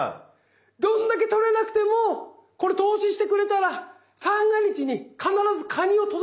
どんだけとれなくてもこれ投資してくれたら三が日に必ずカニを届けます。